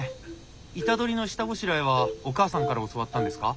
イタドリの下ごしらえはお母さんから教わったんですか？